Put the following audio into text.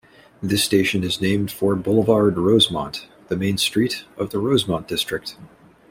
This station is named for boulevard Rosemont, the main street of the Rosemont district.